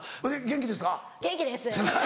元気です。